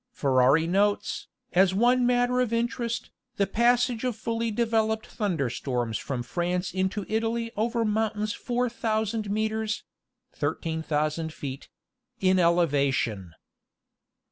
Ferari notes, as one matter of interest, the passage of fully developed thunder storms from France into Italy over mountains 4,000 metres (18,000 feet) in elevation.